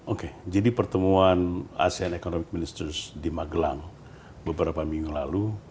oke jadi pertemuan asean economic minister di magelang beberapa minggu lalu